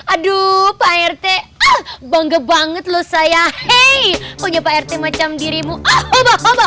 aduh pak rt ah bangga banget loh saya hei punya pak rt macam dirimu oba oba